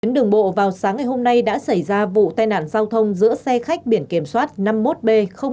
trên đường bộ vào sáng ngày hôm nay đã xảy ra vụ tai nạn giao thông giữa xe khách biển kiểm soát năm mươi một b bảy nghìn ba trăm năm mươi bốn